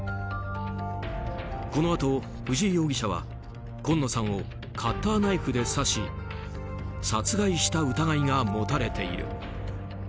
このあと、藤井容疑者は今野さんをカッターナイフで刺し殺害した疑いが持たれている。